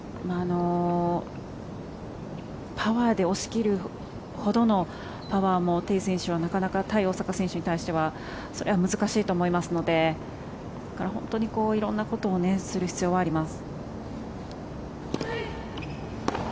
パワーで押し切るほどのパワーもテイ選手はなかなか対大坂選手に対してはそれは難しいと思いますので本当に色んなことをする必要はあります。